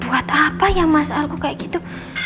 buat apa ya mas aku kayak gitu